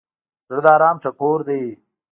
زړه د ارام ټکور دی.